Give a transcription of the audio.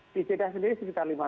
di jeddah sendiri sekitar lima ratus